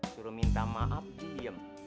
suruh minta maaf dia diam